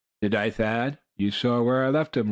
"Did I, Thad; you saw where I left him?"